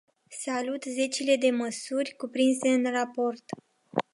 Salut zecile de măsuri cuprinse în raport.